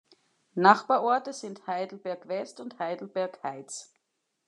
Nachbarorte sind Heidelberg West und Heidelberg Heights.